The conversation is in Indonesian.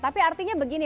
tapi artinya begini